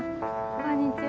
こんにちは！